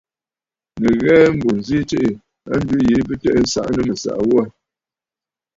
Nɨ ghɛɛ, mbù ǹzi tsiʼǐ a njwi yìi bɨ tɛ'ɛ nsaʼa nɨ mɨ̀saʼa ghu aà.